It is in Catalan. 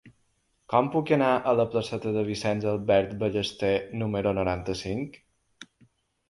Com puc anar a la placeta de Vicenç Albert Ballester número noranta-cinc?